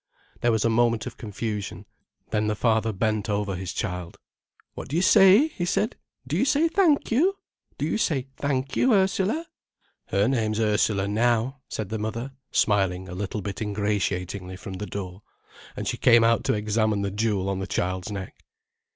There was a moment of confusion, then the father bent over his child: "What do you say?" he said. "Do you say thank you? Do you say thank you, Ursula?" "Her name's Ursula now," said the mother, smiling a little bit ingratiatingly from the door. And she came out to examine the jewel on the child's neck.